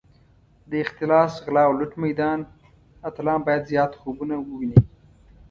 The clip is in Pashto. د اختلاس، غلا او لوټ میدان اتلان باید زیات خوبونه وویني.